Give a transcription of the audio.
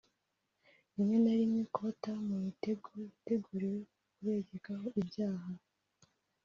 rimwe na rimwe kubata mu mitego yateguriwe kubegekaho ibyaha